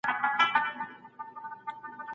آیا د فردي حقوقو او دولت ترمنځ اړیکه واضحه ده؟